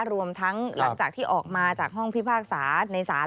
รวมทั้งหลังจากที่ออกมาจากห้องพิพากษาในศาล